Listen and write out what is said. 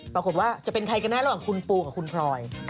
ว่าจะเป็นใครกันแน่ระหว่างคุณปูกับคุณพลอย